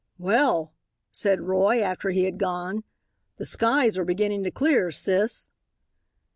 "Well," said Roy, after he had gone, "the skies are beginning to clear, sis."